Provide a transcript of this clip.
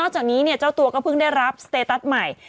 จากนี้เจ้าตัวก็เพิ่งได้รับสเตตัสใหม่